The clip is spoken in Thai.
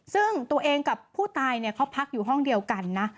ซึ่งตัวเองกับผู้ตายเขาพักอยู่ห้องเดียวกันนะ